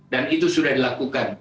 dan itu sudah dilakukan